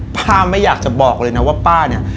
ป้าไม่อยากจะบอกเลยนะว่าป้าเนี่ย